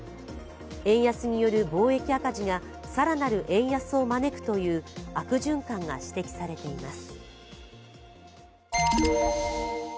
円安による貿易赤字が更なる円安を招くという悪循環が指摘されています。